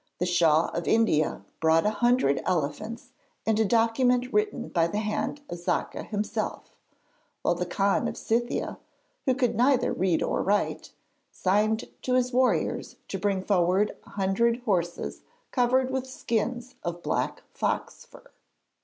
The Shah of India brought a hundred elephants and a document written by the hand of Xaca himself; while the Khan of Scythia, who could neither read nor write, signed to his warriors to bring forward a hundred horses covered with skins of black fox fur.